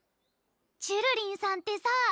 ちゅるりんさんってさ